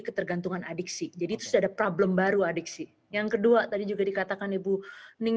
ketergantungan adiksi jadi terus ada problem baru adiksi yang kedua tadi juga dikatakan ibu ning